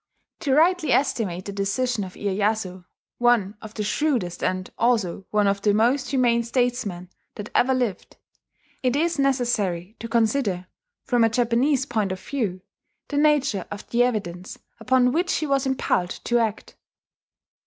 To rightly estimate the decision of Iyeyasu one of the shrewdest, and also one of the most humane statesmen that ever lived, it is necessary to consider, from a Japanese point of view, the nature of the evidence upon which he was impelled to act.